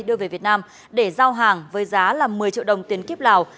đưa về việt nam để giao hàng với giá là một mươi triệu đồng tiền kiếp lào